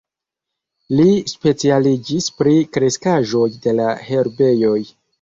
Li specialiĝis pri kreskaĵoj de la herbejoj.